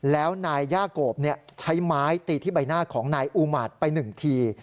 แล้วนายย่าโกบใช้ไม้ตีที่ใบหน้าของนายอูมาตรไป๑ที